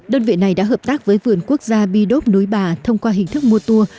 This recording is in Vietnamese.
đơn vị này đã hợp tác với vườn quốc gia bi đốp núi bà thông qua hình thức mua tour